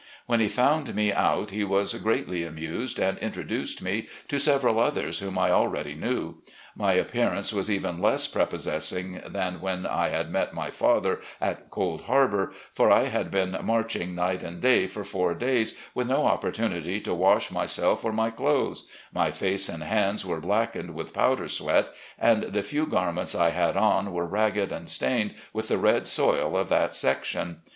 When he fo\md me out he was greatly amused, and introduced me to several others whom I already knew. My appearance was even less prepossessing than when I had met my father at Cold Harbour, for I had been march ing night and day for four days, with no opportunity to wash myself or my clothes; my face and hands were blackened with powder sweat, and the few garments I had on were ragged and stained with the red soil of that section.